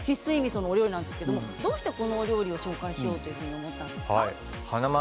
今回は翡翠みその料理なんですがどうしてこのお料理を紹介しようと思ったんですか。